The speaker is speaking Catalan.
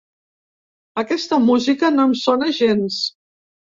Aquesta música no em sona gens.